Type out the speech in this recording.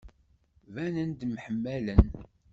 Banen-d mḥemmalen.